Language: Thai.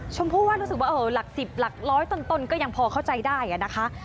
ชมพู่ว่ารู้สึกว่าหลัก๑๐หลักร้อยต้นก็ยังพอเข้าใจได้นะคะ